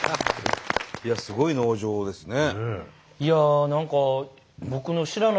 いやすごい農場ですね。